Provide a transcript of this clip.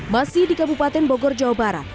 masih di kabupaten bogor jawa barat